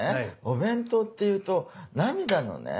お弁当っていうと涙のね